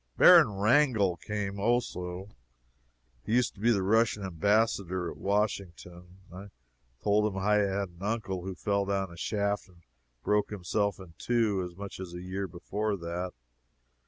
Baron Wrangel came, also. He used to be Russian Ambassador at Washington. I told him I had an uncle who fell down a shaft and broke himself in two, as much as a year before that.